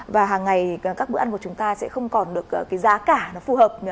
và hàng ngày các bữa ăn của chúng ta sẽ không còn được cái giá cả nó phù hợp